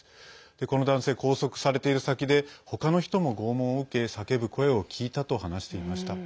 この男性、拘束されている先で他の人も拷問を受け、叫ぶ声を聞いたと話していました。